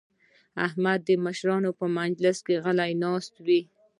احمد د مشرانو په مجلس کې غلی ناست وي.